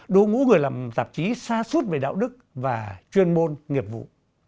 đối ngũ người làm tạp chí xa suốt về đạo đức và chuyên môn nghiệp vụ